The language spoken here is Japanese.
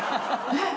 えっ？